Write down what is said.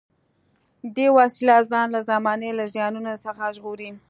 دې وسیله ځان له زمانې له زیانونو څخه ژغوري.